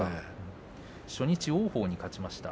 初日、王鵬に勝ちました。